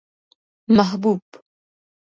محبوب